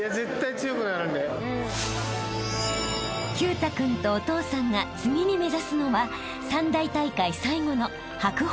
［毬太君とお父さんが次に目指すのは三大大会最後の白鵬杯］